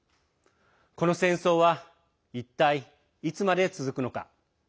この戦争は一体いつまで続くのか。